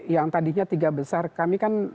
yang tadinya tiga besar kami kan